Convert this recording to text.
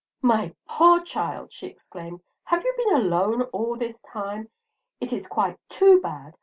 "My poor child," she exclaimed, "have you been alone all this time? It is quite too bad!